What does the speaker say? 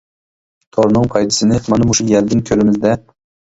تورنىڭ پايدىسىنى مانا مۇشۇ يەردىن كۆرىمىز دە.